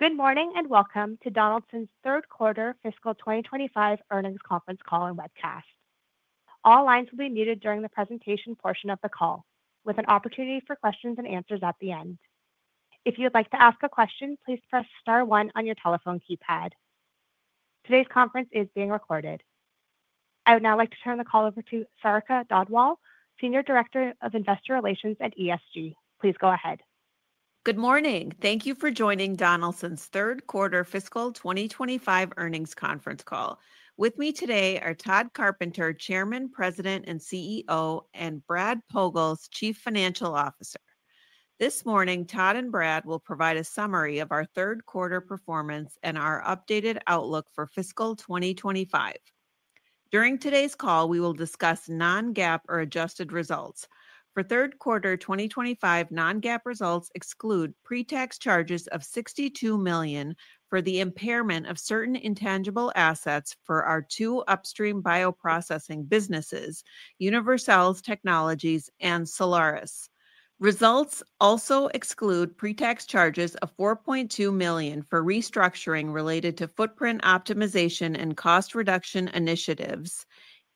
Good morning and welcome to Donaldson's Third Quarter Fiscal 2025 Earnings Conference call and webcast. All lines will be muted during the presentation portion of the call, with an opportunity for questions and answers at the end. If you would like to ask a question, please press star one on your telephone keypad. Today's conference is being recorded. I would now like to turn the call over to Sarika Dhadwal, Senior Director of Investor Relations and ESG. Please go ahead. Good morning. Thank you for joining Donaldson's Third Quarter Fiscal 2025 Earnings Conference call. With me today are Tod Carpenter, Chairman, President, and CEO, and Brad Pogalz, Chief Financial Officer. This morning, Tod and Brad will provide a summary of our third quarter performance and our updated outlook for fiscal 2025. During today's call, we will discuss non-GAAP or adjusted results. For third quarter 2025, non-GAAP results exclude pre-tax charges of $62 million for the impairment of certain intangible assets for our two upstream bioprocessing businesses, Univercells Technologies and Solaris. Results also exclude pre-tax charges of $4.2 million for restructuring related to footprint optimization and cost reduction initiatives,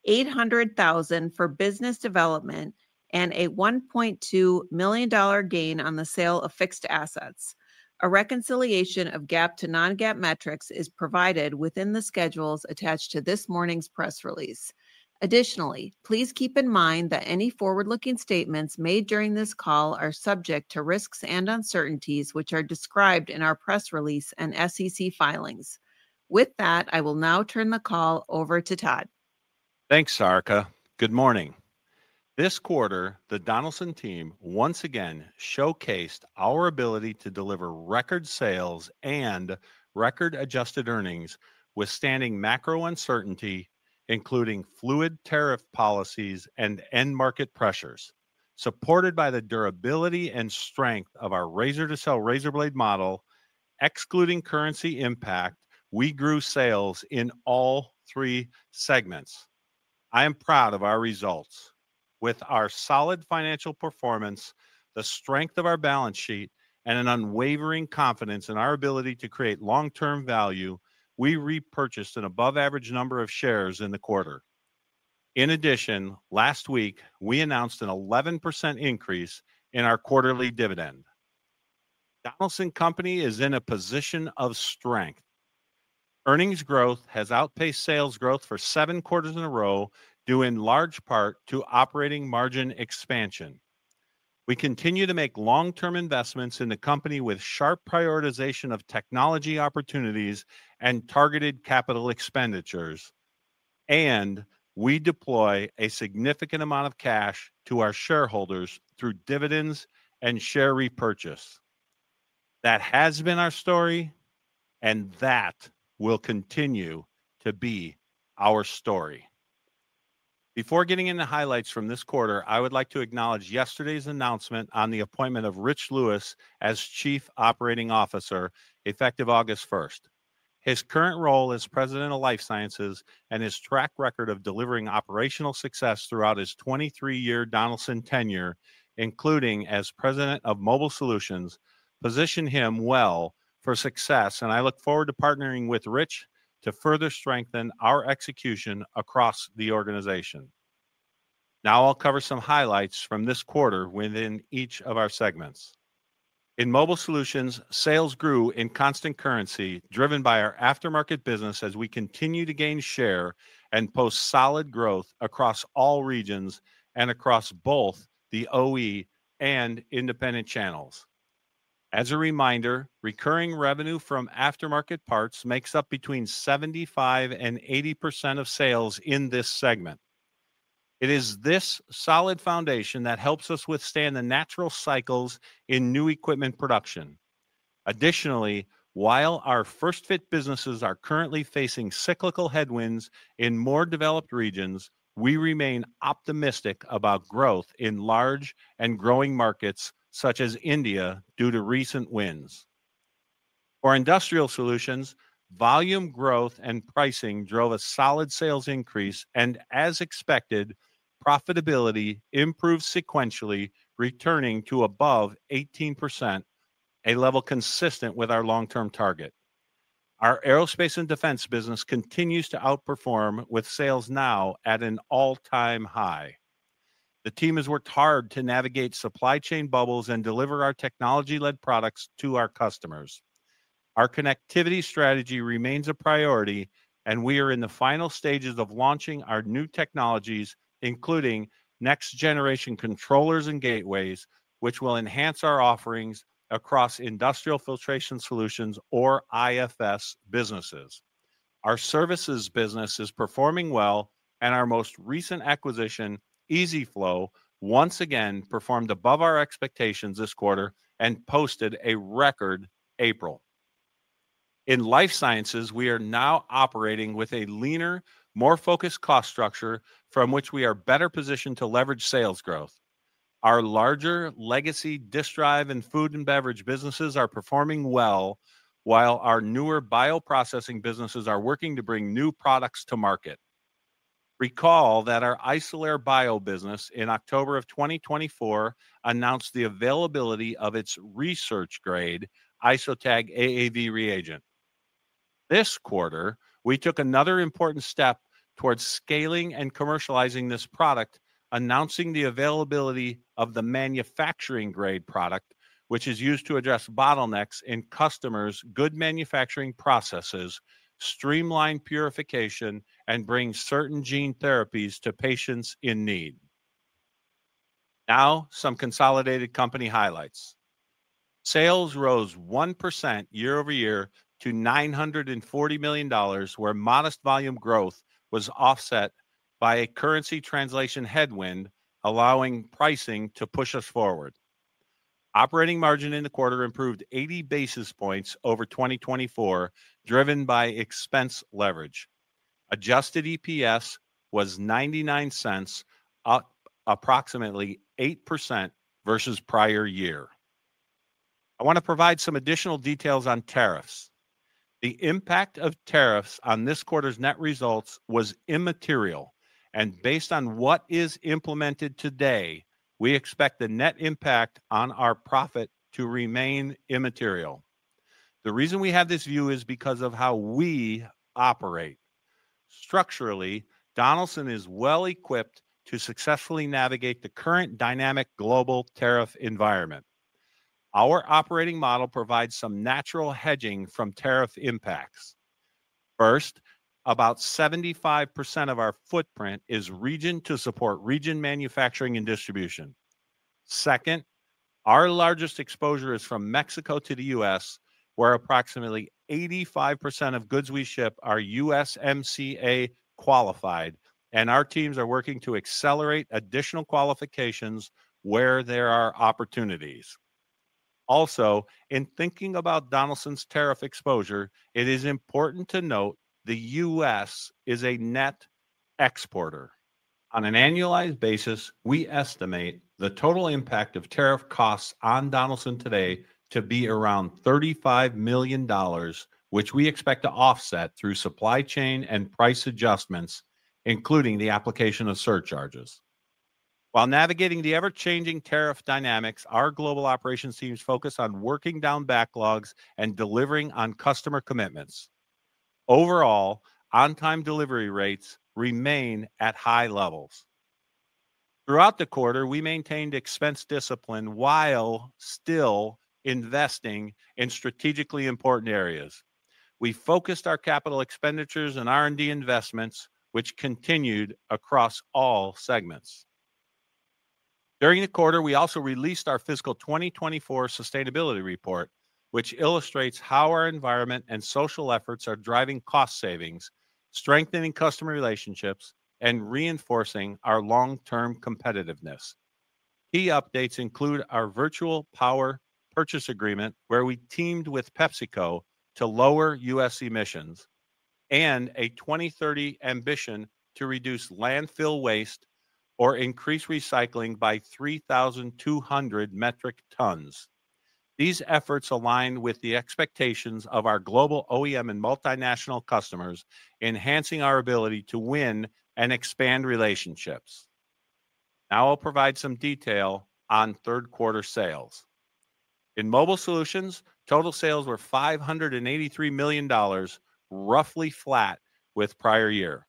$800,000 for business development, and a $1.2 million gain on the sale of fixed assets. A reconciliation of GAAP to non-GAAP metrics is provided within the schedules attached to this morning's press release. Additionally, please keep in mind that any forward-looking statements made during this call are subject to risks and uncertainties, which are described in our press release and SEC filings. With that, I will now turn the call over to Tod. Thanks, Sarika. Good morning. This quarter, the Donaldson team once again showcased our ability to deliver record sales and record adjusted earnings withstanding macro uncertainty, including fluid tariff policies and end market pressures. Supported by the durability and strength of our razor-to-cell razor blade model, excluding currency impact, we grew sales in all three segments. I am proud of our results. With our solid financial performance, the strength of our balance sheet, and an unwavering confidence in our ability to create long-term value, we repurchased an above-average number of shares in the quarter. In addition, last week, we announced an 11% increase in our quarterly dividend. Donaldson Company is in a position of strength. Earnings growth has outpaced sales growth for seven quarters in a row, due in large part to operating margin expansion. We continue to make long-term investments in the company with sharp prioritization of technology opportunities and targeted capital expenditures, and we deploy a significant amount of cash to our shareholders through dividends and share repurchase. That has been our story, and that will continue to be our story. Before getting into highlights from this quarter, I would like to acknowledge yesterday's announcement on the appointment of Rich Lewis as Chief Operating Officer, effective August 1st. His current role as President of Life Sciences and his track record of delivering operational success throughout his 23-year Donaldson tenure, including as President of Mobile Solutions, position him well for success, and I look forward to partnering with Rich to further strengthen our execution across the organization. Now I'll cover some highlights from this quarter within each of our segments. In Mobile Solutions, sales grew in constant currency, driven by our aftermarket business as we continue to gain share and post solid growth across all regions and across both the OE and independent channels. As a reminder, recurring revenue from aftermarket parts makes up between 75% and 80% of sales in this segment. It is this solid foundation that helps us withstand the natural cycles in new equipment production. Additionally, while our first-fit businesses are currently facing cyclical headwinds in more developed regions, we remain optimistic about growth in large and growing markets such as India due to recent wins. For industrial solutions, volume growth and pricing drove a solid sales increase, and as expected, profitability improved sequentially, returning to above 18%, a level consistent with our long-term target. Our aerospace and defense business continues to outperform, with sales now at an all-time high. The team has worked hard to navigate supply chain bubbles and deliver our technology-led products to our customers. Our connectivity strategy remains a priority, and we are in the final stages of launching our new technologies, including next-generation controllers and gateways, which will enhance our offerings across industrial filtration solutions, or IFS, businesses. Our services business is performing well, and our most recent acquisition, EasyFlow, once again performed above our expectations this quarter and posted a record April. In life sciences, we are now operating with a leaner, more focused cost structure from which we are better positioned to leverage sales growth. Our larger legacy disc drive and food and beverage businesses are performing well, while our newer bioprocessing businesses are working to bring new products to market. Recall that our Isolair Bio business in October of 2024 announced the availability of its research grade, IsoTag AAV reagent. This quarter, we took another important step towards scaling and commercializing this product, announcing the availability of the manufacturing grade product, which is used to address bottlenecks in customers' good manufacturing processes, streamline purification, and bring certain gene therapies to patients in need. Now some consolidated company highlights. Sales rose 1% year-over-year to $940 million, where modest volume growth was offset by a currency translation headwind, allowing pricing to push us forward. Operating margin in the quarter improved 80 basis points over 2024, driven by expense leverage. Adjusted EPS was $0.99, up approximately 8% versus prior year. I want to provide some additional details on tariffs. The impact of tariffs on this quarter's net results was immaterial, and based on what is implemented today, we expect the net impact on our profit to remain immaterial. The reason we have this view is because of how we operate. Structurally, Donaldson is well-equipped to successfully navigate the current dynamic global tariff environment. Our operating model provides some natural hedging from tariff impacts. First, about 75% of our footprint is region to support region manufacturing and distribution. Second, our largest exposure is from Mexico to the U.S., where approximately 85% of goods we ship are USMCA qualified, and our teams are working to accelerate additional qualifications where there are opportunities. Also, in thinking about Donaldson's tariff exposure, it is important to note the U.S. is a net exporter. On an annualized basis, we estimate the total impact of tariff costs on Donaldson today to be around $35 million, which we expect to offset through supply chain and price adjustments, including the application of surcharges. While navigating the ever-changing tariff dynamics, our global operations teams focus on working down backlogs and delivering on customer commitments. Overall, on-time delivery rates remain at high levels. Throughout the quarter, we maintained expense discipline while still investing in strategically important areas. We focused our capital expenditures and R&D investments, which continued across all segments. During the quarter, we also released our fiscal 2024 sustainability report, which illustrates how our environment and social efforts are driving cost savings, strengthening customer relationships, and reinforcing our long-term competitiveness. Key updates include our virtual power purchase agreement, where we teamed with PepsiCo to lower U.S. emissions, and a 2030 ambition to reduce landfill waste or increase recycling by 3,200 metric tons. These efforts align with the expectations of our global OEM and multinational customers, enhancing our ability to win and expand relationships. Now I'll provide some detail on third quarter sales. In Mobile Solutions, total sales were $583 million, roughly flat with prior year.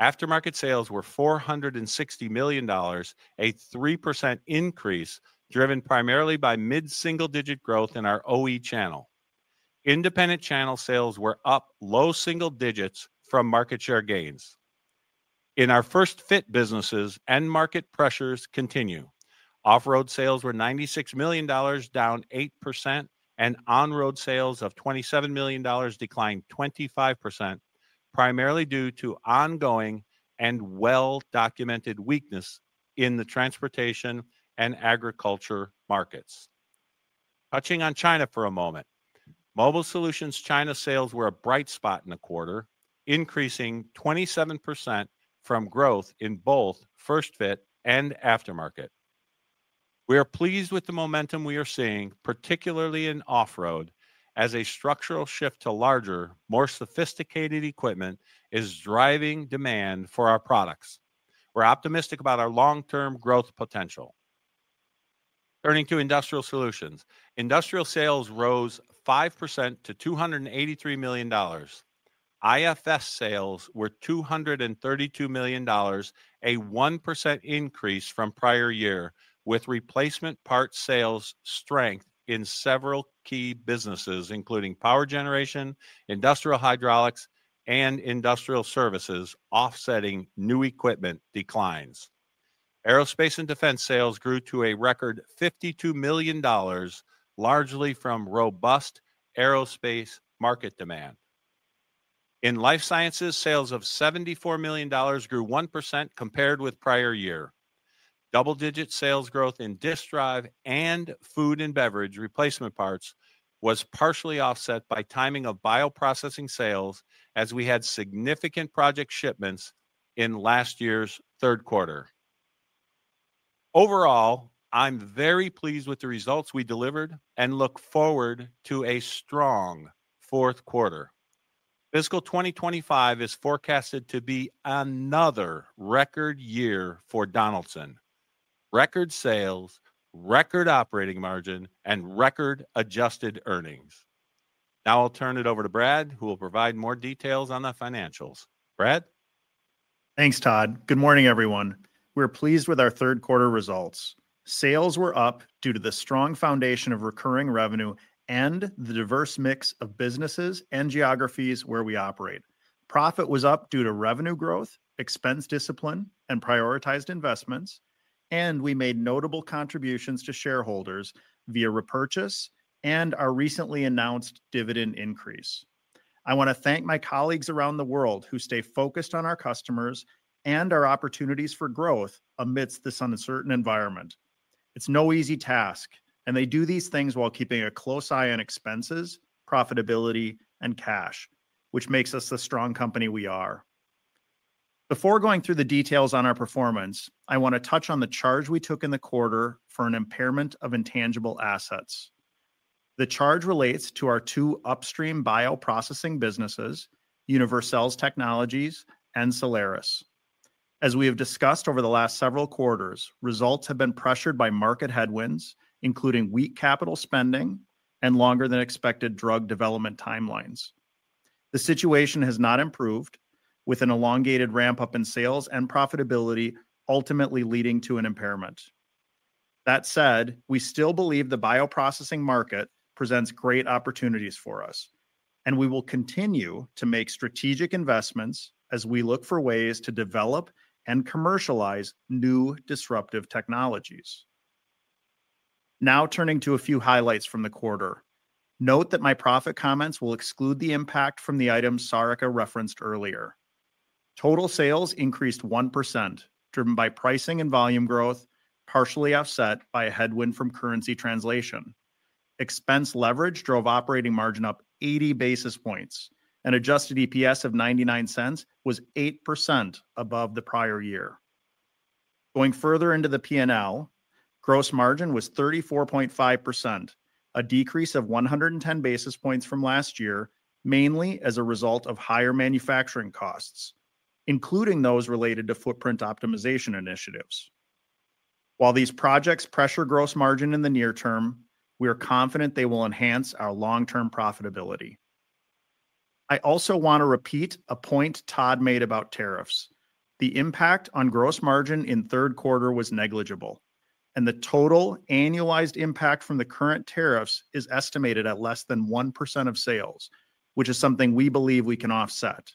Aftermarket sales were $460 million, a 3% increase driven primarily by mid-single-digit growth in our OE channel. Independent channel sales were up low single digits from market share gains. In our first-fit businesses, end market pressures continue. Off-road sales were $96 million, down 8%, and on-road sales of $27 million declined 25%, primarily due to ongoing and well-documented weakness in the transportation and agriculture markets. Touching on China for a moment, Mobile Solutions' China sales were a bright spot in the quarter, increasing 27% from growth in both first-fit and aftermarket. We are pleased with the momentum we are seeing, particularly in off-road, as a structural shift to larger, more sophisticated equipment is driving demand for our products. We're optimistic about our long-term growth potential. Turning to industrial solutions, industrial sales rose 5% to $283 million. IFS sales were $232 million, a 1% increase from prior year, with replacement parts sales strength in several key businesses, including power generation, industrial hydraulics, and industrial services, offsetting new equipment declines. Aerospace and defense sales grew to a record $52 million, largely from robust aerospace market demand. In life sciences, sales of $74 million grew 1% compared with prior year. Double-digit sales growth in disc drive and food and beverage replacement parts was partially offset by timing of bioprocessing sales, as we had significant project shipments in last year's third quarter. Overall, I'm very pleased with the results we delivered and look forward to a strong fourth quarter. Fiscal 2025 is forecasted to be another record year for Donaldson: record sales, record operating margin, and record adjusted earnings. Now I'll turn it over to Brad, who will provide more details on the financials. Brad. Thanks, Tod. Good morning, everyone. We're pleased with our third quarter results. Sales were up due to the strong foundation of recurring revenue and the diverse mix of businesses and geographies where we operate. Profit was up due to revenue growth, expense discipline, and prioritized investments, and we made notable contributions to shareholders via repurchase and our recently announced dividend increase. I want to thank my colleagues around the world who stay focused on our customers and our opportunities for growth amidst this uncertain environment. It's no easy task, and they do these things while keeping a close eye on expenses, profitability, and cash, which makes us the strong company we are. Before going through the details on our performance, I want to touch on the charge we took in the quarter for an impairment of intangible assets. The charge relates to our two upstream bioprocessing businesses, Univercells Technologies and Solaris. As we have discussed over the last several quarters, results have been pressured by market headwinds, including weak capital spending and longer-than-expected drug development timelines. The situation has not improved, with an elongated ramp-up in sales and profitability ultimately leading to an impairment. That said, we still believe the bioprocessing market presents great opportunities for us, and we will continue to make strategic investments as we look for ways to develop and commercialize new disruptive technologies. Now turning to a few highlights from the quarter, note that my profit comments will exclude the impact from the items Sarika referenced earlier. Total sales increased 1%, driven by pricing and volume growth, partially offset by a headwind from currency translation. Expense leverage drove operating margin up 80 basis points, and adjusted EPS of $0.99 was 8% above the prior year. Going further into the P&L, gross margin was 34.5%, a decrease of 110 basis points from last year, mainly as a result of higher manufacturing costs, including those related to footprint optimization initiatives. While these projects pressure gross margin in the near term, we are confident they will enhance our long-term profitability. I also want to repeat a point Tod made about tariffs. The impact on gross margin in third quarter was negligible, and the total annualized impact from the current tariffs is estimated at less than 1% of sales, which is something we believe we can offset.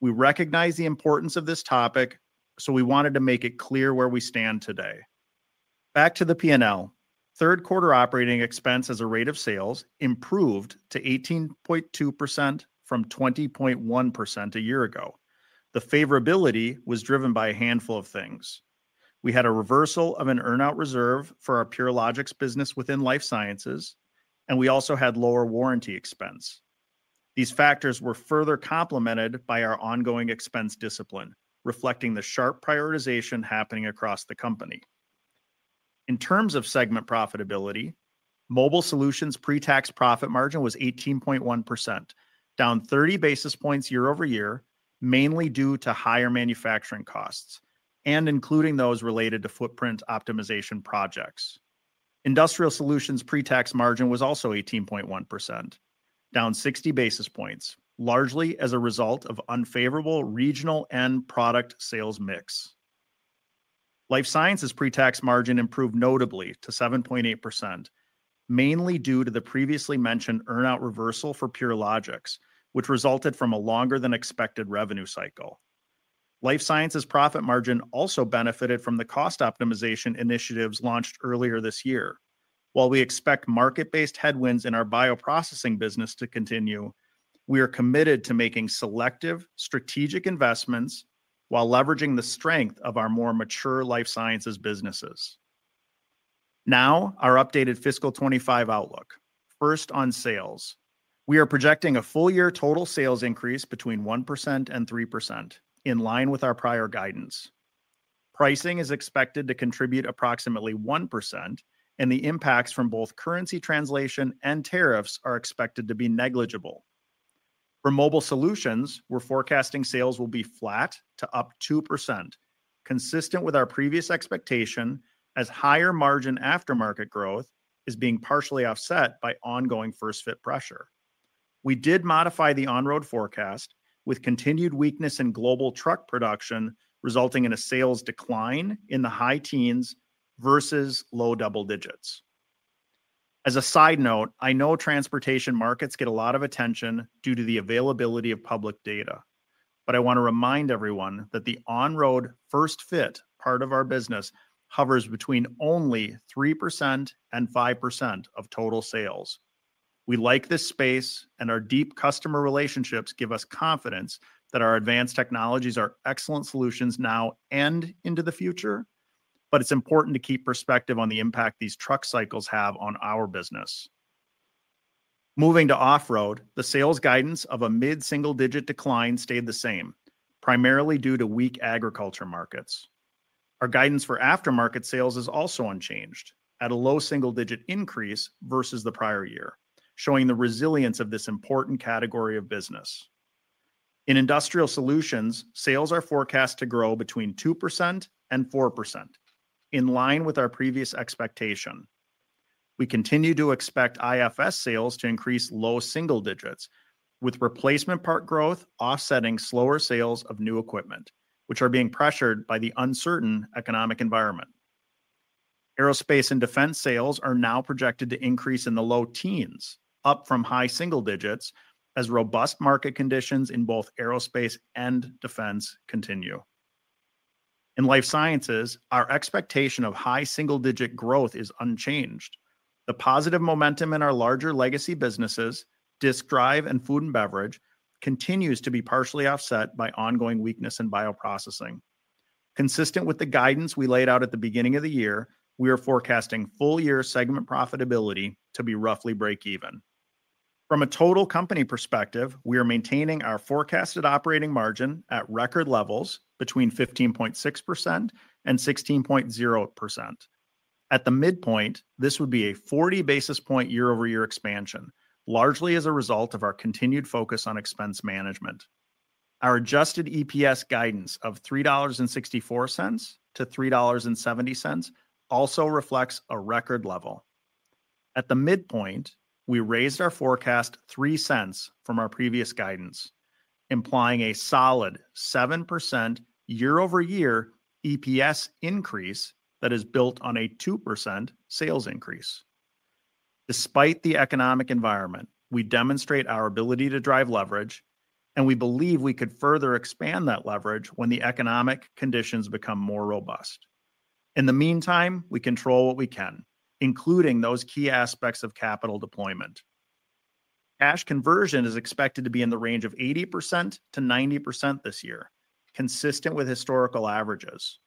We recognize the importance of this topic, so we wanted to make it clear where we stand today. Back to the P&L, third quarter operating expense as a rate of sales improved to 18.2% from 20.1% a year ago. The favorability was driven by a handful of things. We had a reversal of an earnout reserve for our Purilogics business within life sciences, and we also had lower warranty expense. These factors were further complemented by our ongoing expense discipline, reflecting the sharp prioritization happening across the company. In terms of segment profitability, Mobile Solutions' pre-tax profit margin was 18.1%, down 30 basis points year-over-year, mainly due to higher manufacturing costs and including those related to footprint optimization projects. Industrial Solutions' pre-tax margin was also 18.1%, down 60 basis points, largely as a result of unfavorable regional and product sales mix. Life Sciences' pre-tax margin improved notably to 7.8%, mainly due to the previously mentioned earnout reversal for Purilogics, which resulted from a longer-than-expected revenue cycle. Life Sciences' profit margin also benefited from the cost optimization initiatives launched earlier this year. While we expect market-based headwinds in our bioprocessing business to continue, we are committed to making selective, strategic investments while leveraging the strength of our more mature Life Sciences businesses. Now our updated fiscal 2025 outlook. First, on sales. We are projecting a full-year total sales increase between 1% and 3%, in line with our prior guidance. Pricing is expected to contribute approximately 1%, and the impacts from both currency translation and tariffs are expected to be negligible. For Mobile Solutions, we're forecasting sales will be flat to up 2%, consistent with our previous expectation, as higher margin aftermarket growth is being partially offset by ongoing first-fit pressure. We did modify the on-road forecast, with continued weakness in global truck production resulting in a sales decline in the high teens versus low double digits. As a side note, I know transportation markets get a lot of attention due to the availability of public data, but I want to remind everyone that the on-road first-fit part of our business hovers between only 3% and 5% of total sales. We like this space, and our deep customer relationships give us confidence that our advanced technologies are excellent solutions now and into the future, but it's important to keep perspective on the impact these truck cycles have on our business. Moving to off-road, the sales guidance of a mid-single-digit decline stayed the same, primarily due to weak agriculture markets. Our guidance for aftermarket sales is also unchanged, at a low single-digit increase versus the prior year, showing the resilience of this important category of business. In Industrial Solutions, sales are forecast to grow between 2% and 4%, in line with our previous expectation. We continue to expect IFS sales to increase low single digits, with replacement part growth offsetting slower sales of new equipment, which are being pressured by the uncertain economic environment. Aerospace and defense sales are now projected to increase in the low teens, up from high single digits, as robust market conditions in both aerospace and defense continue. In life sciences, our expectation of high single-digit growth is unchanged. The positive momentum in our larger legacy businesses, disc drive and food and beverage, continues to be partially offset by ongoing weakness in bioprocessing. Consistent with the guidance we laid out at the beginning of the year, we are forecasting full-year segment profitability to be roughly break-even. From a total company perspective, we are maintaining our forecasted operating margin at record levels between 15.6%-16.0%. At the midpoint, this would be a 40 basis point year-over-year expansion, largely as a result of our continued focus on expense management. Our adjusted EPS guidance of $3.64-$3.70 also reflects a record level. At the midpoint, we raised our forecast $0.03 from our previous guidance, implying a solid 7% year-over-year EPS increase that is built on a 2% sales increase. Despite the economic environment, we demonstrate our ability to drive leverage, and we believe we could further expand that leverage when the economic conditions become more robust. In the meantime, we control what we can, including those key aspects of capital deployment. Cash conversion is expected to be in the range of 80%-90% this year, consistent with historical averages.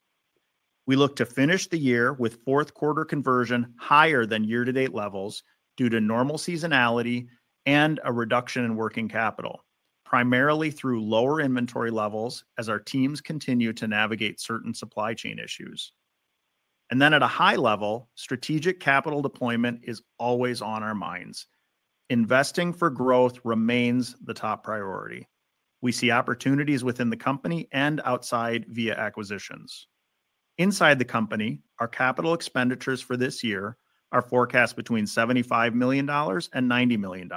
We look to finish the year with fourth-quarter conversion higher than year-to-date levels due to normal seasonality and a reduction in working capital, primarily through lower inventory levels as our teams continue to navigate certain supply chain issues. At a high level, strategic capital deployment is always on our minds. Investing for growth remains the top priority. We see opportunities within the company and outside via acquisitions. Inside the company, our capital expenditures for this year are forecast between $75 million and $90 million.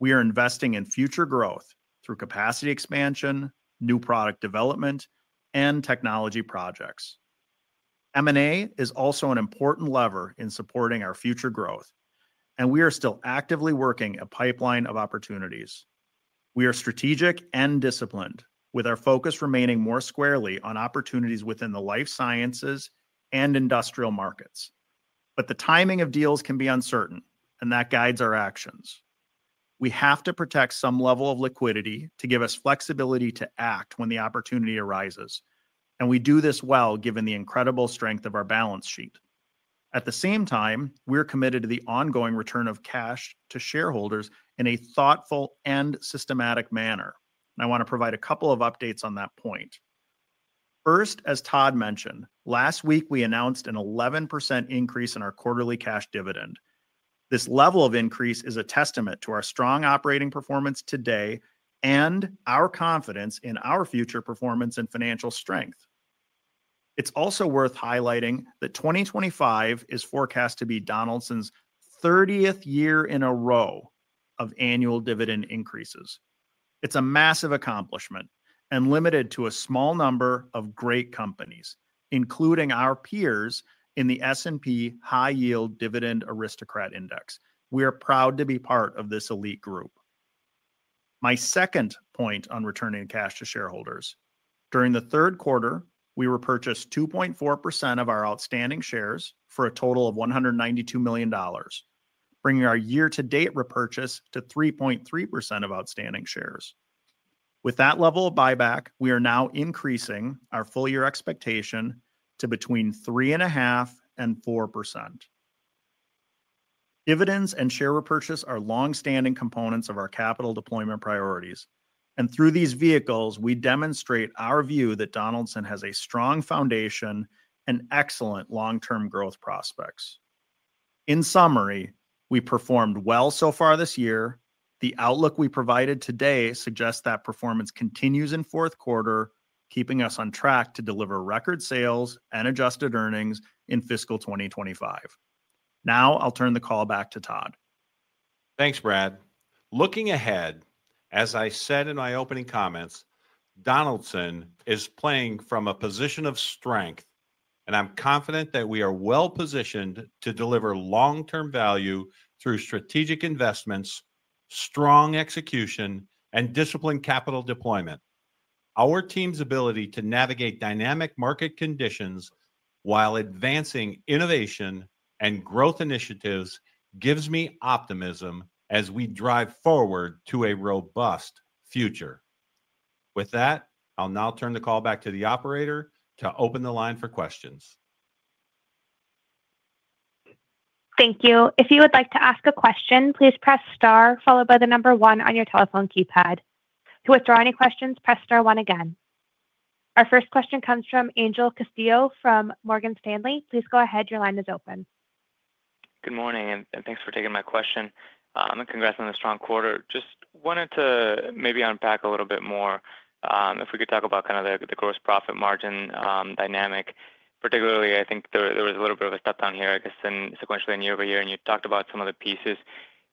We are investing in future growth through capacity expansion, new product development, and technology projects. M&A is also an important lever in supporting our future growth, and we are still actively working a pipeline of opportunities. We are strategic and disciplined, with our focus remaining more squarely on opportunities within the life sciences and industrial markets. The timing of deals can be uncertain, and that guides our actions. We have to protect some level of liquidity to give us flexibility to act when the opportunity arises, and we do this well given the incredible strength of our balance sheet. At the same time, we're committed to the ongoing return of cash to shareholders in a thoughtful and systematic manner, and I want to provide a couple of updates on that point. First, as Tod mentioned, last week we announced an 11% increase in our quarterly cash dividend. This level of increase is a testament to our strong operating performance today and our confidence in our future performance and financial strength. It's also worth highlighting that 2025 is forecast to be Donaldson's 30th year in a row of annual dividend increases. It's a massive accomplishment and limited to a small number of great companies, including our peers in the S&P High Yield Dividend Aristocrat Index. We are proud to be part of this elite group. My second point on returning cash to shareholders: during the third quarter, we repurchased 2.4% of our outstanding shares for a total of $192 million, bringing our year-to-date repurchase to 3.3% of outstanding shares. With that level of buyback, we are now increasing our full-year expectation to between 3.5% and 4%. Dividends and share repurchase are long-standing components of our capital deployment priorities, and through these vehicles, we demonstrate our view that Donaldson has a strong foundation and excellent long-term growth prospects. In summary, we performed well so far this year. The outlook we provided today suggests that performance continues in fourth quarter, keeping us on track to deliver record sales and adjusted earnings in fiscal 2025. Now I'll turn the call back to Tod. Thanks, Brad. Looking ahead, as I said in my opening comments, Donaldson is playing from a position of strength, and I'm confident that we are well-positioned to deliver long-term value through strategic investments, strong execution, and disciplined capital deployment. Our team's ability to navigate dynamic market conditions while advancing innovation and growth initiatives gives me optimism as we drive forward to a robust future. With that, I'll now turn the call back to the operator to open the line for questions. Thank you. If you would like to ask a question, please press star, followed by the number one on your telephone keypad. To withdraw any questions, press star one again. Our first question comes from Angel Castillo from Morgan Stanley. Please go ahead. Your line is open. Good morning, and thanks for taking my question. Congrats on the strong quarter. Just wanted to maybe unpack a little bit more if we could talk about kind of the gross profit margin dynamic. Particularly, I think there was a little bit of a step down here, I guess, sequentially and year-over-year, and you talked about some of the pieces.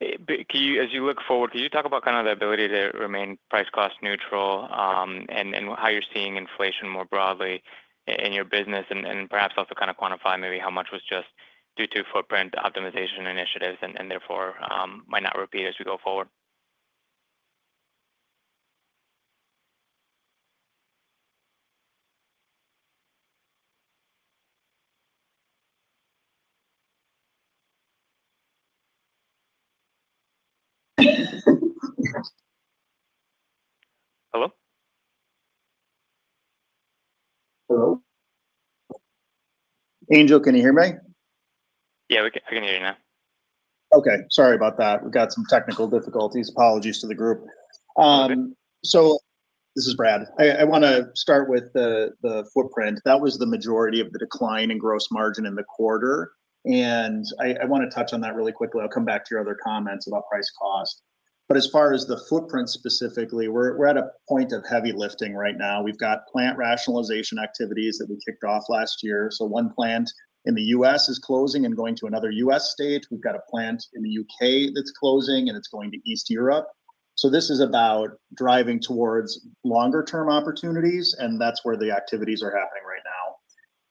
As you look forward, could you talk about kind of the ability to remain price-cost neutral and how you're seeing inflation more broadly in your business, and perhaps also kind of quantify maybe how much was just due to footprint optimization initiatives and therefore might not repeat as we go forward? Hello? Hello? Angel, can you hear me? Yeah, I can hear you now. Okay. Sorry about that. We've got some technical difficulties. Apologies to the group. This is Brad. I want to start with the footprint. That was the majority of the decline in gross margin in the quarter, and I want to touch on that really quickly. I'll come back to your other comments about price cost. As far as the footprint specifically, we're at a point of heavy lifting right now. We've got plant rationalization activities that we kicked off last year. One plant in the U.S. is closing and going to another U.S. state. We've got a plant in the U.K. that's closing, and it's going to East Europe. This is about driving towards longer-term opportunities, and that's where the activities are happening right now.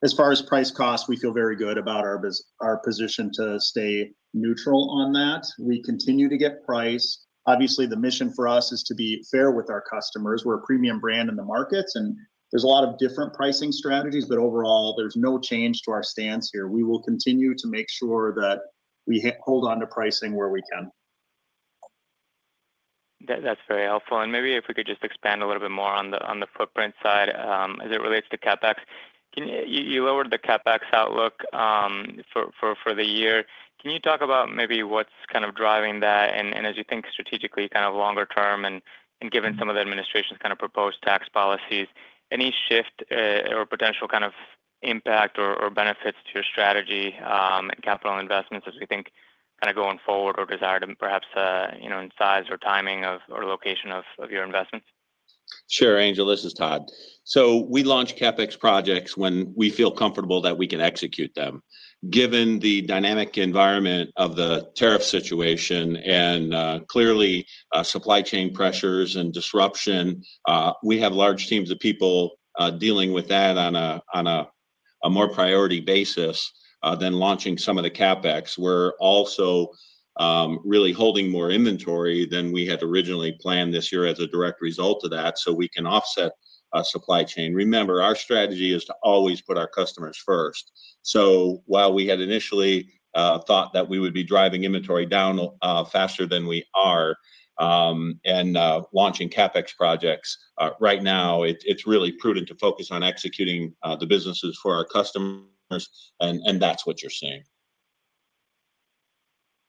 As far as price cost, we feel very good about our position to stay neutral on that. We continue to get price. Obviously, the mission for us is to be fair with our customers. We're a premium brand in the markets, and there's a lot of different pricing strategies, but overall, there's no change to our stance here. We will continue to make sure that we hold on to pricing where we can. That's very helpful. Maybe if we could just expand a little bit more on the footprint side as it relates to CapEx. You lowered the CapEx outlook for the year. Can you talk about maybe what's kind of driving that? As you think strategically, kind of longer-term and given some of the administration's kind of proposed tax policies, any shift or potential kind of impact or benefits to your strategy and capital investments as we think kind of going forward or desire to perhaps in size or timing or location of your investments? Sure, Angel. This is Tod. We launch CapEx projects when we feel comfortable that we can execute them. Given the dynamic environment of the tariff situation and clearly supply chain pressures and disruption, we have large teams of people dealing with that on a more priority basis than launching some of the CapEx. We are also really holding more inventory than we had originally planned this year as a direct result of that, so we can offset our supply chain. Remember, our strategy is to always put our customers first. While we had initially thought that we would be driving inventory down faster than we are and launching CapEx projects, right now it is really prudent to focus on executing the businesses for our customers, and that is what you are seeing.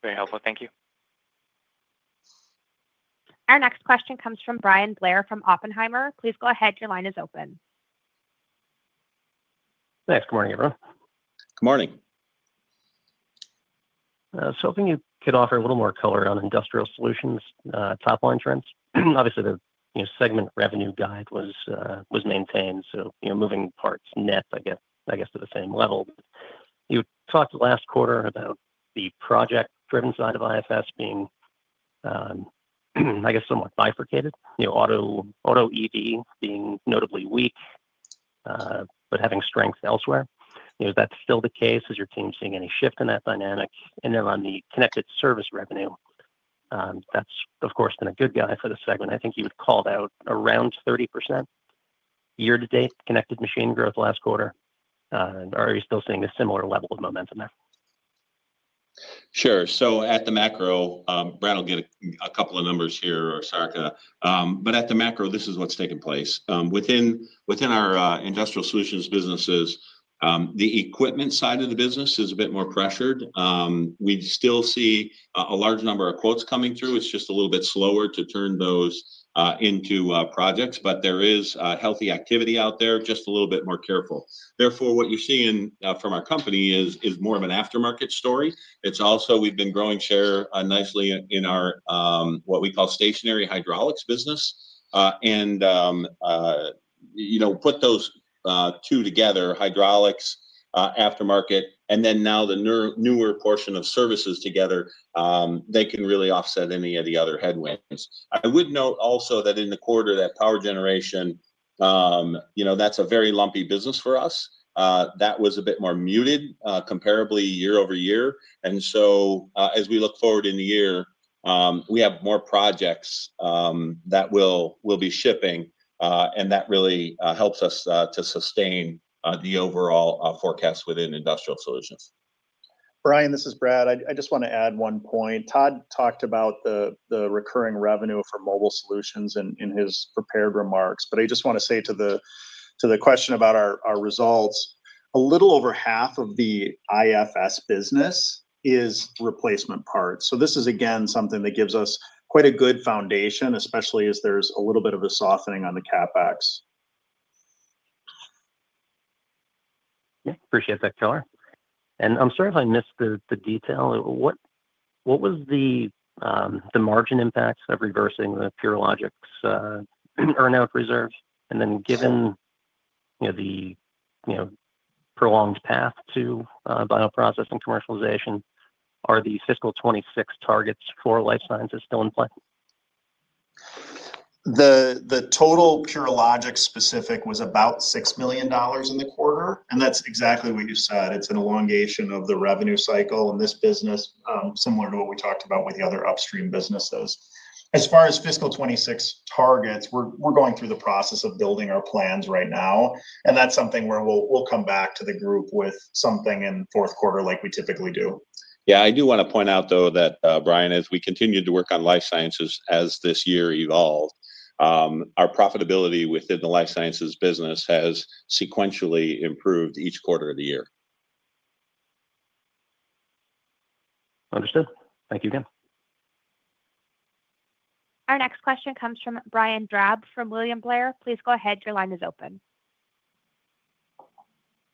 Very helpful. Thank you. Our next question comes from Bryan Blair from Oppenheimer. Please go ahead. Your line is open. Thanks. Good morning, everyone. Good morning. If you could offer a little more color on Industrial Solutions top line trends. Obviously, the segment revenue guide was maintained, so moving parts net, I guess, to the same level. You talked last quarter about the project-driven side of IFS being, I guess, somewhat bifurcated, auto E D being notably weak but having strength elsewhere. Is that still the case? Is your team seeing any shift in that dynamic? On the connected service revenue, that's, of course, been a good guy for the segment. I think you had called out around 30% year-to-date connected machine growth last quarter. Are you still seeing a similar level of momentum there? Sure. At the macro, Brad will get a couple of numbers here or Sarika, but at the macro, this is what's taken place. Within our industrial solutions businesses, the equipment side of the business is a bit more pressured. We still see a large number of quotes coming through. It's just a little bit slower to turn those into projects, but there is healthy activity out there, just a little bit more careful. Therefore, what you're seeing from our company is more of an aftermarket story. It's also we've been growing share nicely in our what we call stationary hydraulics business. And put those two together, hydraulics, aftermarket, and then now the newer portion of services together, they can really offset any of the other headwinds. I would note also that in the quarter, that power generation, that's a very lumpy business for us. That was a bit more muted comparably year-over-year. As we look forward in the year, we have more projects that we'll be shipping, and that really helps us to sustain the overall forecast within Industrial Solutions. Bryan, this is Brad. I just want to add one point. Tod talked about the recurring revenue for mobile solutions in his prepared remarks, but I just want to say to the question about our results, a little over half of the IFS business is replacement parts. This is, again, something that gives us quite a good foundation, especially as there's a little bit of a softening on the CapEx. Appreciate that, color. I'm sorry if I missed the detail. What was the margin impacts of reversing the Purilogics earn-out reserve? Given the prolonged path to bioprocessing commercialization, are the fiscal 2026 targets for life sciences still in play? The total Purilogics specific was about $6 million in the quarter, and that's exactly what you said. It's an elongation of the revenue cycle in this business, similar to what we talked about with the other upstream businesses. As far as fiscal 2026 targets, we're going through the process of building our plans right now, and that's something where we'll come back to the group with something in fourth quarter like we typically do. Yeah. I do want to point out, though, that Bryan, as we continue to work on life sciences as this year evolved, our profitability within the life sciences business has sequentially improved each quarter of the year. Understood. Thank you again. Our next question comes from Brian Drab from William Blair. Please go ahead. Your line is open.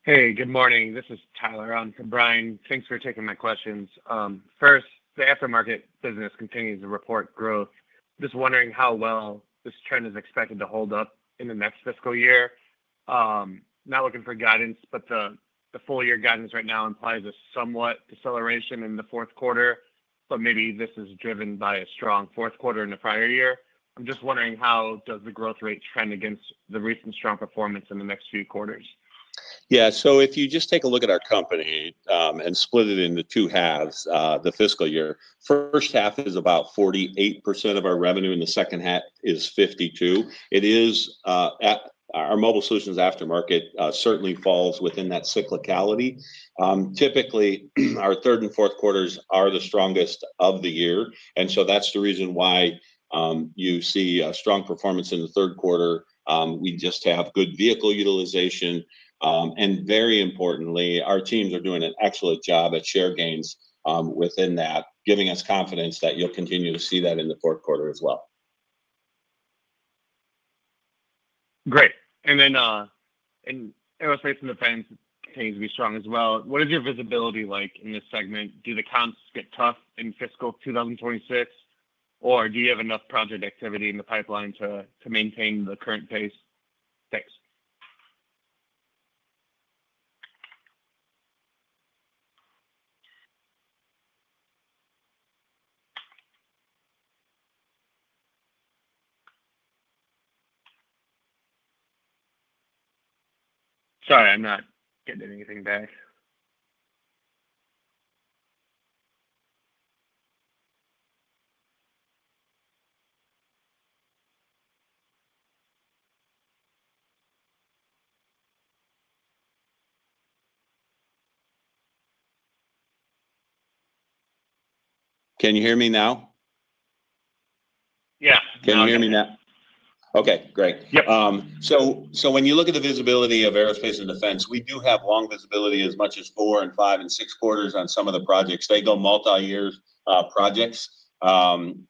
Hey, good morning. This is Tyler on for Brian. Thanks for taking my questions. First, the aftermarket business continues to report growth. Just wondering how well this trend is expected to hold up in the next fiscal year. Not looking for guidance, but the full-year guidance right now implies a somewhat deceleration in the fourth quarter, but maybe this is driven by a strong fourth quarter in the prior year. I'm just wondering how does the growth rate trend against the recent strong performance in the next few quarters? Yeah. If you just take a look at our company and split it into two halves, the fiscal year, first half is about 48% of our revenue, and the second half is 52%. Our mobile solutions aftermarket certainly falls within that cyclicality. Typically, our third and fourth quarters are the strongest of the year, and that's the reason why you see strong performance in the third quarter. We just have good vehicle utilization, and very importantly, our teams are doing an excellent job at share gains within that, giving us confidence that you'll continue to see that in the fourth quarter as well. Great. I would say some of the plans continue to be strong as well. What is your visibility like in this segment? Do the comps get tough in fiscal 2026, or do you have enough project activity in the pipeline to maintain the current pace? Thanks. Sorry, I'm not getting anything back. Can you hear me now? Yeah. Can you hear me now? Okay. Great. When you look at the visibility of aerospace and defense, we do have long visibility, as much as four and five and six quarters on some of the projects. They go multi-year projects, and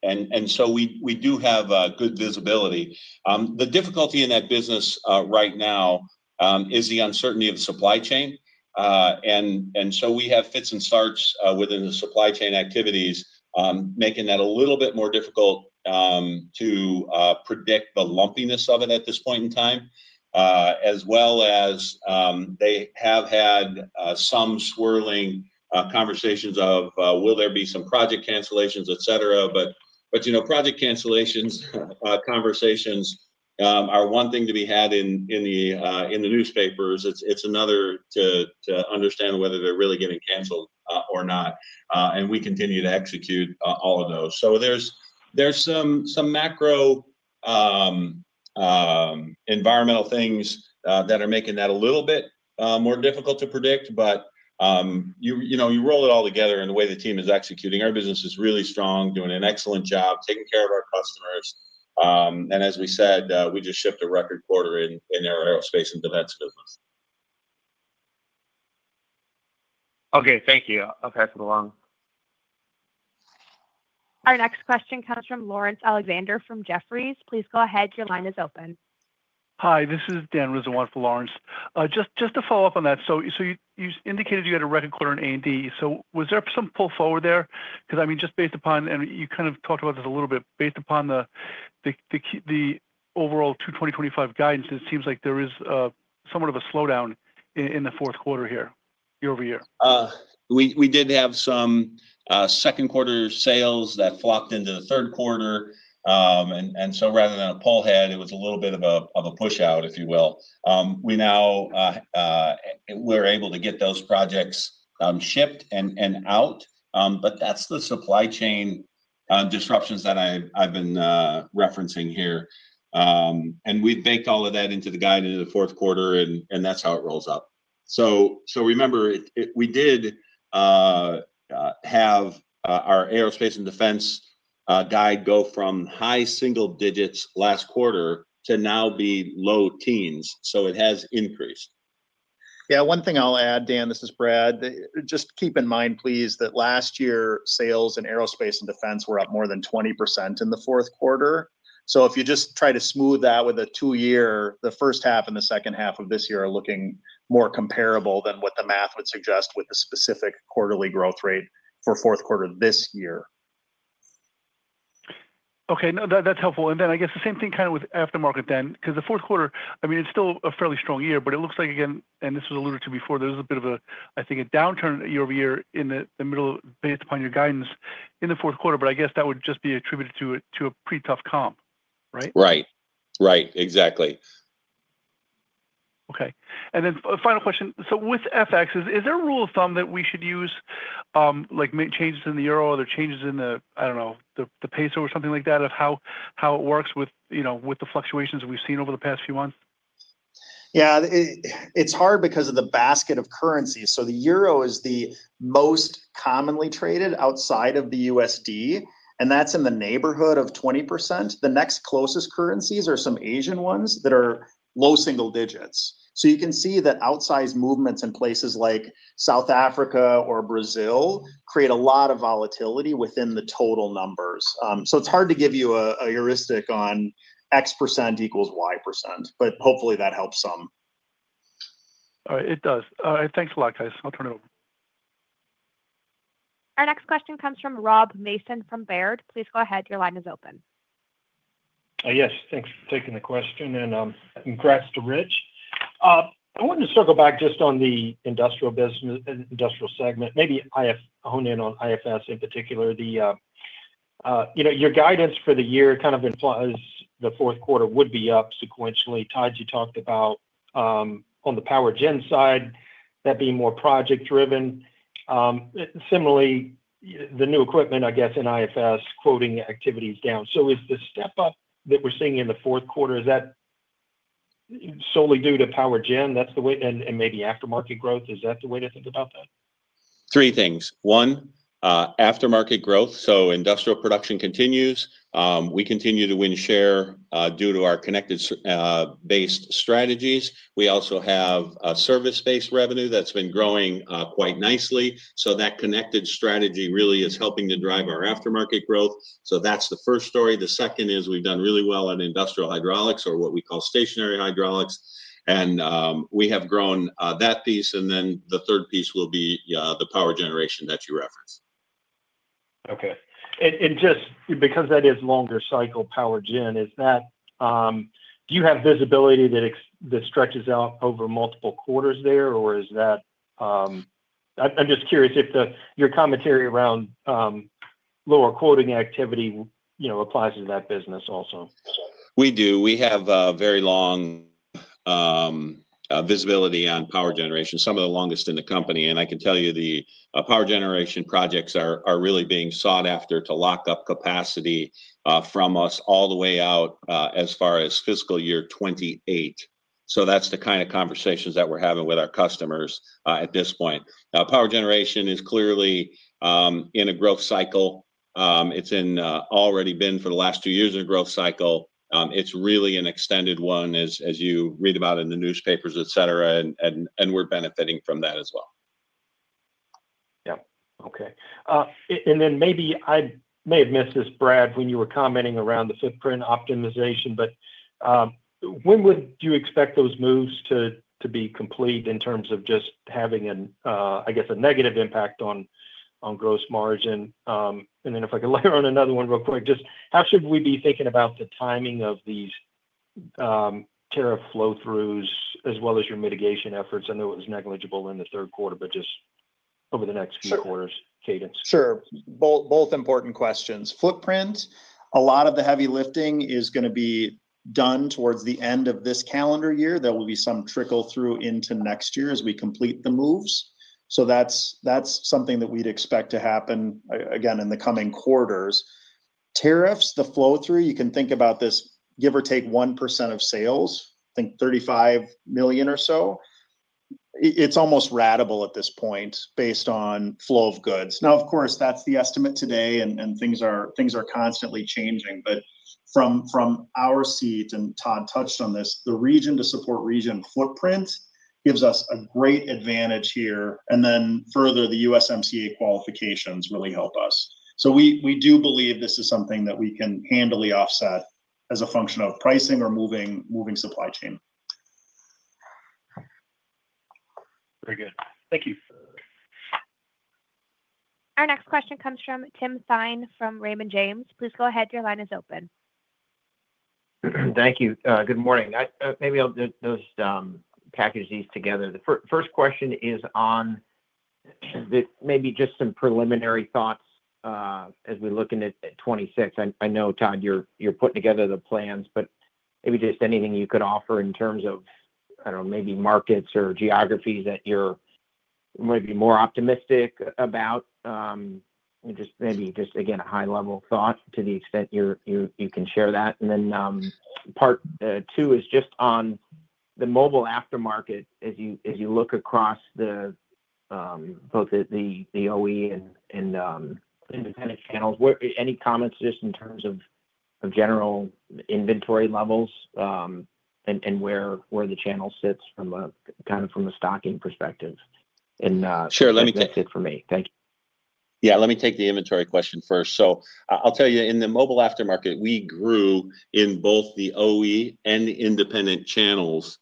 we do have good visibility. The difficulty in that business right now is the uncertainty of supply chain, and so we have fits and starts within the supply chain activities, making that a little bit more difficult to predict the lumpiness of it at this point in time, as well as they have had some swirling conversations of, "Will there be some project cancellations," etc. Project cancellations conversations are one thing to be had in the newspapers. It is another to understand whether they're really getting canceled or not, and we continue to execute all of those. There are some macro environmental things that are making that a little bit more difficult to predict, but you roll it all together in the way the team is executing. Our business is really strong, doing an excellent job, taking care of our customers, and as we said, we just shipped a record quarter in our aerospace and defense business. Okay. Thank you. I'll pass it along. Our next question comes from Laurence Alexander from Jefferies. Please go ahead. Your line is open. Hi. This is Dan Rizzo on for Laurence. Just to follow up on that, you indicated you had a record quarter in A&D. Was there some pull forward there? I mean, just based upon—and you kind of talked about this a little bit—based upon the overall 2025 guidance, it seems like there is somewhat of a slowdown in the fourth quarter here year-over-year. We did have some second quarter sales that flocked into the third quarter, and rather than a pull ahead, it was a little bit of a push-out, if you will. We're able to get those projects shipped and out, but that's the supply chain disruptions that I've been referencing here, and we've baked all of that into the guide into the fourth quarter, and that's how it rolls up. Remember, we did have our aerospace and defense guide go from high single digits last quarter to now be low teens, so it has increased. Yeah. One thing I'll add, Dan, this is Brad. Just keep in mind, please, that last year sales in aerospace and defense were up more than 20% in the fourth quarter. If you just try to smooth that with a two-year, the first half and the second half of this year are looking more comparable than what the math would suggest with the specific quarterly growth rate for fourth quarter this year. Okay. No, that's helpful. I guess the same thing kind of with aftermarket, then, because the fourth quarter, I mean, it's still a fairly strong year, but it looks like, again—this was alluded to before—there's a bit of a, I think, a downturn year-over-year in the middle based upon your guidance in the fourth quarter, but I guess that would just be attributed to a pretty tough comp, right? Right. Right. Exactly. Okay. Final question. With FX, is there a rule of thumb that we should use, like changes in the euro or the changes in the, I don't know, the peso or something like that, of how it works with the fluctuations we've seen over the past few months? Yeah. It's hard because of the basket of currencies. The euro is the most commonly traded outside of the USD, and that's in the neighborhood of 20%. The next closest currencies are some Asian ones that are low single digits. You can see that outsized movements in places like South Africa or Brazil create a lot of volatility within the total numbers. It's hard to give you a heuristic on X% equals Y%, but hopefully that helps some. All right. It does. Thanks a lot, guys. I'll turn it over. Our next question comes from Rob Mason from Baird. Please go ahead. Your line is open. Yes. Thanks for taking the question, and congrats to Rich. I wanted to circle back just on the industrial segment. Maybe I have honed in on IFS in particular. Your guidance for the year kind of implies the fourth quarter would be up sequentially. Tod, you talked about on the power gen side, that being more project-driven. Similarly, the new equipment, I guess, in IFS quoting activities down. Is the step-up that we're seeing in the fourth quarter solely due to power gen and maybe aftermarket growth? Is that the way to think about that? Three things. One, aftermarket growth. Industrial production continues. We continue to win share due to our connected-based strategies. We also have service-based revenue that's been growing quite nicely. That connected strategy really is helping to drive our aftermarket growth. That's the first story. The second is we've done really well on industrial hydraulics or what we call stationary hydraulics, and we have grown that piece. The third piece will be the power generation that you referenced. Okay. Just because that is longer cycle power gen, do you have visibility that stretches out over multiple quarters there, or is that—I am just curious if your commentary around lower quoting activity applies to that business also? We do. We have very long visibility on power generation, some of the longest in the company. I can tell you the power generation projects are really being sought after to lock up capacity from us all the way out as far as fiscal year 2028. That is the kind of conversations that we are having with our customers at this point. Power generation is clearly in a growth cycle. It has already been for the last two years in a growth cycle. It is really an extended one, as you read about in the newspapers, etc., and we are benefiting from that as well. Yeah. Okay. Maybe I may have missed this, Brad, when you were commenting around the footprint optimization, but when would you expect those moves to be complete in terms of just having, I guess, a negative impact on gross margin? If I could layer on another one real quick, just how should we be thinking about the timing of these tariff flow-throughs as well as your mitigation efforts? I know it was negligible in the third quarter, but just over the next few quarters' cadence. Sure. Both important questions. Footprint, a lot of the heavy lifting is going to be done towards the end of this calendar year. There will be some trickle-through into next year as we complete the moves. That is something that we would expect to happen again in the coming quarters. Tariffs, the flow-through, you can think about this give or take 1% of sales, I think $35 million or so. It's almost ratable at this point based on flow of goods. Now, of course, that's the estimate today, and things are constantly changing. From our seat, and Tod touched on this, the region-to-support region footprint gives us a great advantage here, and then further, the USMCA qualifications really help us. We do believe this is something that we can handily offset as a function of pricing or moving supply chain. Very good. Thank you. Our next question comes from Tim Thein from Raymond James. Please go ahead. Your line is open. Thank you. Good morning. Maybe I'll just package these together. The first question is on maybe just some preliminary thoughts as we look into 2026. I know, Tod, you're putting together the plans, but maybe just anything you could offer in terms of, I don't know, maybe markets or geographies that you're maybe more optimistic about. Just maybe just, again, a high-level thought to the extent you can share that. Part two is just on the mobile aftermarket as you look across both the OE and independent channels. Any comments just in terms of general inventory levels and where the channel sits kind of from the stocking perspective? That's it for me. Thank you. Sure. Let me take—yeah. Let me take the inventory question first. I'll tell you, in the mobile aftermarket, we grew in both the OE and independent channels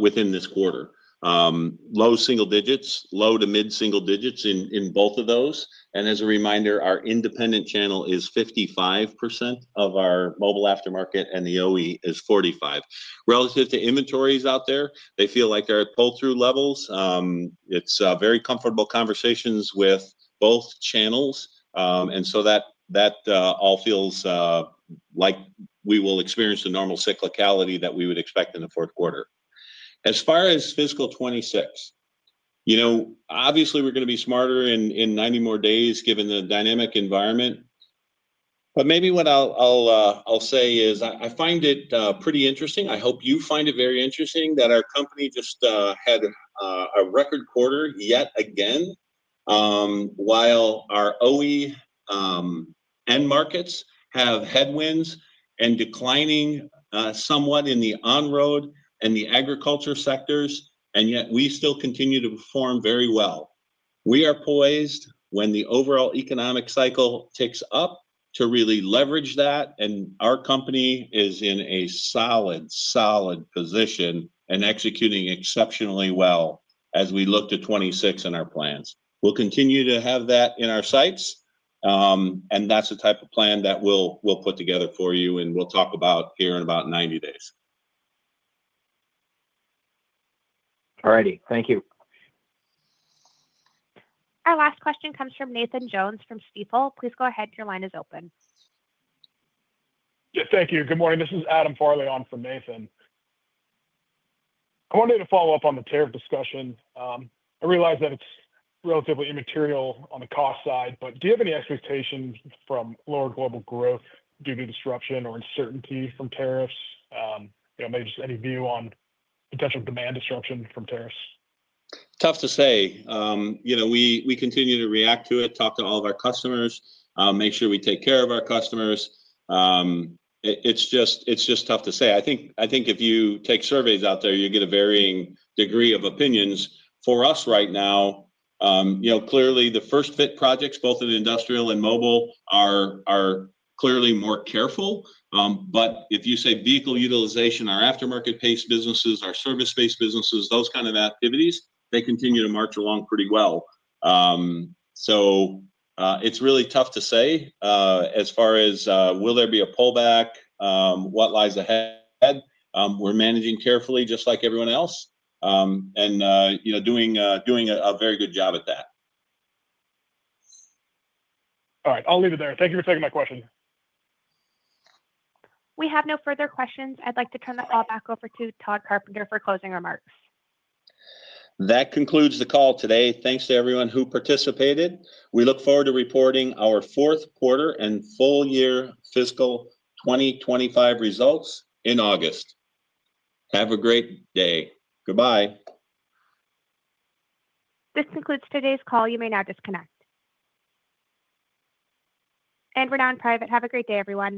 within this quarter. Low single digits, low to mid single digits in both of those. As a reminder, our independent channel is 55% of our mobile aftermarket, and the OE is 45%. Relative to inventories out there, they feel like there are pull-through levels. It is very comfortable conversations with both channels, and that all feels like we will experience the normal cyclicality that we would expect in the fourth quarter. As far as fiscal 2026, obviously, we are going to be smarter in 90 more days given the dynamic environment. What I will say is I find it pretty interesting. I hope you find it very interesting that our company just had a record quarter yet again, while our OE and markets have headwinds and are declining somewhat in the on-road and the agriculture sectors, and yet we still continue to perform very well. We are poised when the overall economic cycle ticks up to really leverage that, and our company is in a solid, solid position and executing exceptionally well as we look to 2026 in our plans. We'll continue to have that in our sights, and that's the type of plan that we'll put together for you, and we'll talk about here in about 90 days. All righty. Thank you. Our last question comes from Nathan Jones from Stifel. Please go ahead. Your line is open. Yeah. Thank you. Good morning. This is Adam Farley on for Nathan. I wanted to follow up on the tariff discussion. I realize that it's relatively immaterial on the cost side, but do you have any expectations from lower global growth due to disruption or uncertainty from tariffs? Maybe just any view on potential demand disruption from tariffs? Tough to say. We continue to react to it, talk to all of our customers, make sure we take care of our customers. It's just tough to say. I think if you take surveys out there, you get a varying degree of opinions. For us right now, clearly, the first-fit projects, both in industrial and mobile, are clearly more careful. If you say vehicle utilization, our aftermarket-based businesses, our service-based businesses, those kind of activities, they continue to march along pretty well. It's really tough to say as far as will there be a pullback, what lies ahead. We're managing carefully just like everyone else and doing a very good job at that. All right. I'll leave it there. Thank you for taking my question. We have no further questions. I'd like to turn the call back over to Tod Carpenter for closing remarks. That concludes the call today. Thanks to everyone who participated. We look forward to reporting our fourth quarter and full-year fiscal 2025 results in August. Have a great day. Goodbye. This concludes today's call. You may now disconnect. We are now on private. Have a great day, everyone.